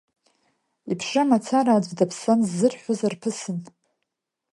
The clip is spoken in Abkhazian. Иԥшра мацара аӡә даԥсан ззырҳәоз арԥысын.